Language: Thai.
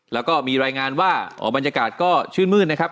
แล้วก็มีรายงานว่าบรรยากาศก็ชื่นมืดนะครับ